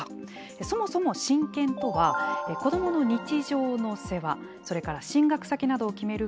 そもそも親権とは子どもの日常の世話、それから進学先などを決める